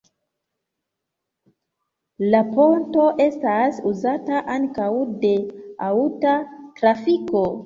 La ponto estas uzata ankaŭ de aŭta trafiko.